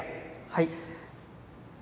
はい。